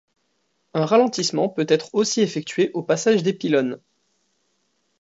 Un ralentissement peut être aussi effectué au passage des pylônes.